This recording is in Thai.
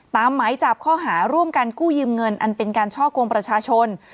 หมายจับข้อหาร่วมกันกู้ยืมเงินอันเป็นการช่อกงประชาชน